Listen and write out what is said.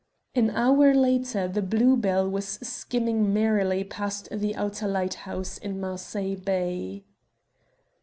An hour later the Blue Bell was skimming merrily past the outer lighthouse in Marseilles bay.